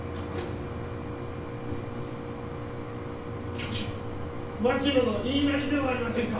教授槙野の言いなりではありませんか！？